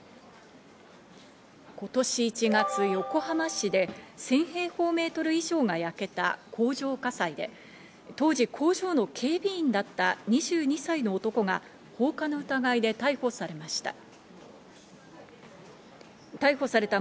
今年１月、横浜市で１０００平方メートル以上が焼けた工場火災で、当時、工場の警備員だった２２歳の男が放火の疑いで逮捕されました。